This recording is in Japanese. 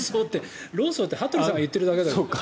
論争って羽鳥さんが言ってるだけだよ。